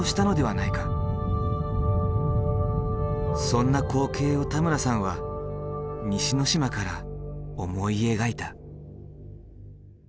そんな光景を田村さんは西之島から思い描いた。